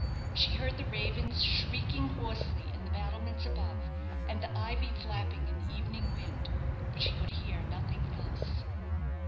She heard the ravens shrieking hoarsely in the battlements above, and the ivy flapping in the evening wind; but she could hear nothing else.